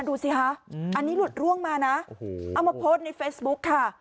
ดูสิคะอันนี้หลุดร่วงมานะเอามาโพสต์ในเฟซบุ๊คค่ะ